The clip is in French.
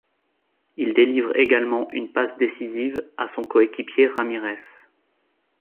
Il délivre également une passe décisive à son coéquipier Ramires.